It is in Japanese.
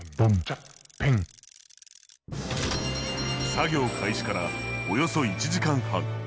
作業開始からおよそ１時間半。